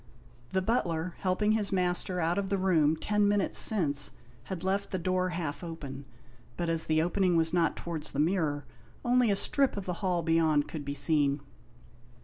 The butler, helping his master out of the room ten minutes since, had left the door half open, but as the opening was not towards the mirror, only a strip of the hall beyond could be seen.